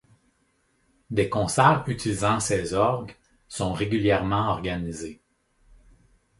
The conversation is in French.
Des concerts utilisant ces orgues sont régulièrement organisés.